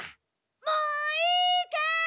もういいかい？